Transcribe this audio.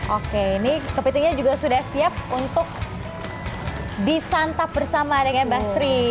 oke ini kepitingnya juga sudah siap untuk disantap bersama dengan mbak sri